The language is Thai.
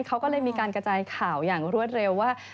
เขาก็เลยมีการกระจายข่าวอย่างรวดเร็วว่า